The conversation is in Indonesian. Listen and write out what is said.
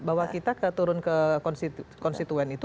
bahwa kita turun ke konstituen itu